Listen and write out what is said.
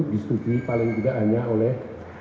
disetujui paling tidak hanya oleh